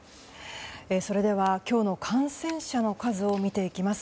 それでは今日の感染者の数を見ていきます。